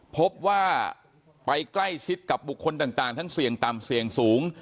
พบว่าไปใกล้ชิดกับบุคคลต่างทั้งเสี่ยงต่ำเสี่ยงสูง